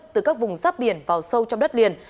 từ các vùng giáp biển vào sâu trong đất liền